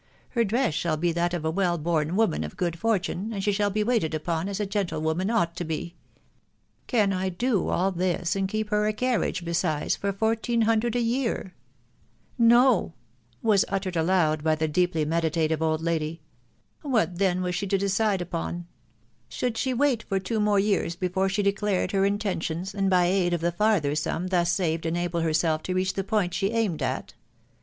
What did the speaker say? ... her dress shall be that of a well born woman of ^ood fotVMx^^xA. she shall be waited upon as a gentle^om&Tv csvsl^W. \a \^% ^»v I do all this, and keep her a carriage tesutefe, tot toaxvsss G 4 98 THE WIDOW BABNABY. hundred a year ?••.. No !...." was uttered aloud by the deeply meditative old lady. " "What then was she to decide upon ? Should she wait for two more years before she de clared her intentions, and by aid of the farther sum thus saved enable herself to reach the point she aimed at